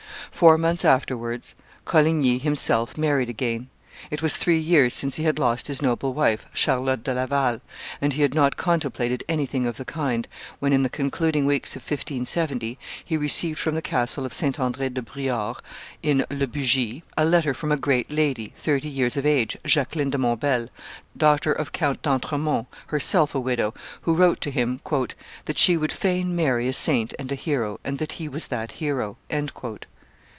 Four months afterwards, Coligny himself married again; it was three years since he had lost his noble wife, Charlotte de Laval, and he had not contemplated anything of the kind, when, in the concluding weeks of 1570, he received from the castle of St. Andre de Briord, in Le Bugey, a letter from a great lady, thirty years of age, Jacqueline de Montbel, daughter of Count d'Entremont, herself a widow, who wrote to him "that she would fain marry a saint and a hero, and that he was that hero."